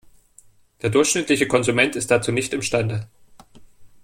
Der durchschnittliche Konsument ist dazu nicht imstande.